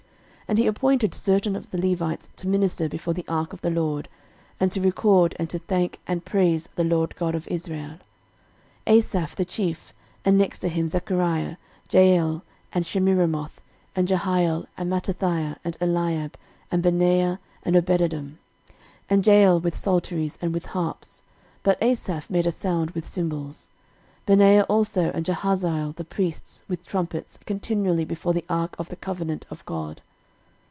13:016:004 And he appointed certain of the Levites to minister before the ark of the LORD, and to record, and to thank and praise the LORD God of Israel: 13:016:005 Asaph the chief, and next to him Zechariah, Jeiel, and Shemiramoth, and Jehiel, and Mattithiah, and Eliab, and Benaiah, and Obededom: and Jeiel with psalteries and with harps; but Asaph made a sound with cymbals; 13:016:006 Benaiah also and Jahaziel the priests with trumpets continually before the ark of the covenant of God.